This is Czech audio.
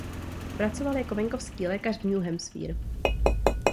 Pracoval jako venkovský lékař v New Hampshire.